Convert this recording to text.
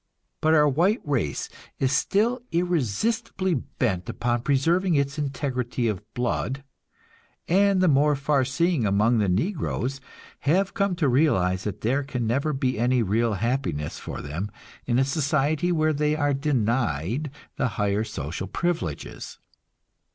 But our white race is still irresistibly bent upon preserving its integrity of blood, and the more far seeing among the negroes have come to realize that there can never be any real happiness for them in a society where they are denied the higher social privileges.